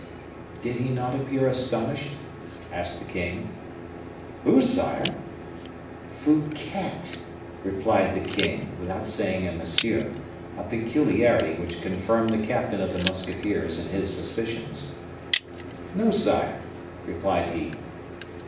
"Did he not appear astonished?" asked the king. "Who, sire?" "Fouquet," replied the king, without saying monsieur, a peculiarity which confirmed the captain of the musketeers in his suspicions. "No, sire," replied he.